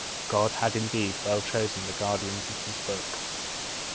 God had indeed well chosen the guardians of His Book.